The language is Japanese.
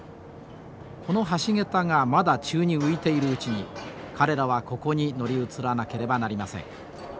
この橋桁がまだ宙に浮いているうちに彼らはここに乗り移らなければなりません。